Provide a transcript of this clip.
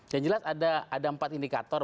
yang jelas ada empat indikator